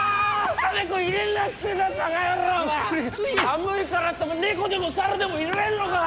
寒いからって猫でも猿でも入れんのか！？